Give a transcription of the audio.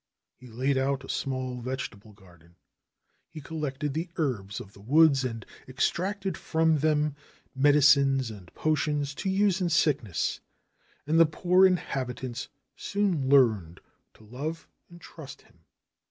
He laid out a small vegetable garden. He collected the herbs of the woods and extracted from them medicines and potions to use in sickness, and the poor habitants soon learned to love and trust him.